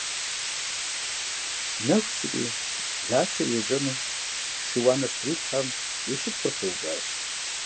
Нэху щыри, Лашэр ежьэну шым уанэ щытрилъхьэм, и шыпхъур пэуващ.